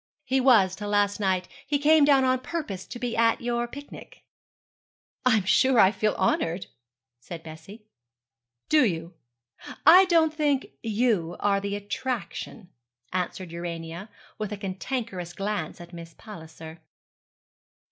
'He was till last night. He came down on purpose to be at your picnic.' 'I am sure I feel honoured,' said Bessie. 'Do you? I don't think you are the attraction,' answered Urania, with a cantankerous glance at Miss Palliser.